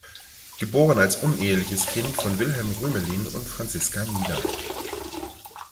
Geboren als uneheliches Kind von Wilhelm Rümelin und Franziska Nida.